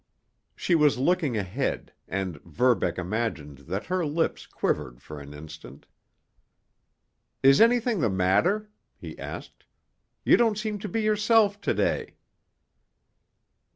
She was looking ahead, and Verbeck imagined that her lips quivered for an instant. "Is anything the matter?" he asked. "You don't seem to be yourself to day."